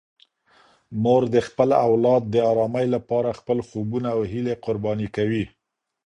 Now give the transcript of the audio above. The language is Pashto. مور د خپل اولاد د ارامۍ لپاره خپل خوبونه او هیلې قرباني کوي.